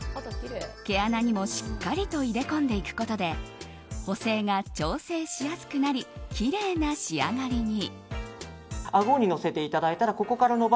毛穴にもしっかりと入れ込んでいくことで補正が調整しやすくなりきれいな仕上がりに。